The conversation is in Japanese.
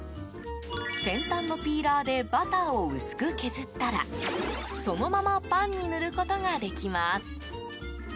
先端のピーラーでバターを薄く削ったらそのままパンに塗ることができます。